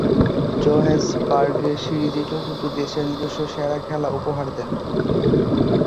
জোহেন্সবার্গে সিরিজের চতুর্থ টেস্টে নিজস্ব সেরা খেলা উপহার দেন।